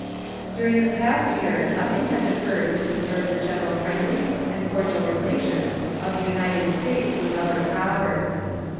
During the past year nothing has occurred to disturb the general friendly and cordial relations of the United States with other powers.